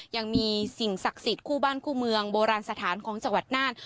ยังมีสิ่งศักดิ์สิทธิ์คู่บ้านคู่เมืองโบราณสถานของจังหวัดน่าน